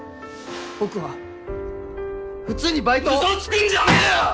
僕は普通にバイトを嘘つくんじゃねぇよ！！